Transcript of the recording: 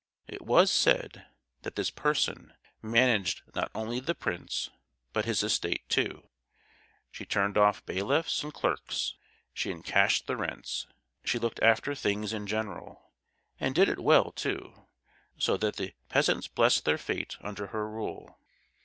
It was said that this person managed not only the prince, but his estate too: she turned off bailiffs and clerks, she encashed the rents, she looked after things in general—and did it well, too; so that the peasants blessed their fate under her rule.